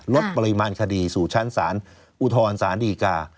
ลดปริมาณคดีสู่ชั้นศาลอุทธรสารดีกา